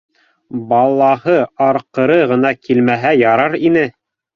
Балаһы арҡыры ғына килмәһә ярар ине.